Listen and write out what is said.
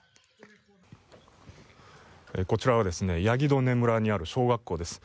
こちらはヤギドネ村にある小学校です。